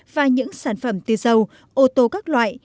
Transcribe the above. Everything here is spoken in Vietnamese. và những sản phẩm từ dầu ô tô các loại